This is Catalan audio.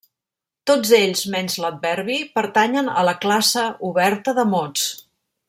Tots ells, menys l'adverbi pertanyen a la classe oberta de mots.